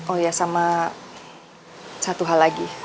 oh ya sama satu hal lagi